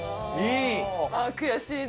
いい。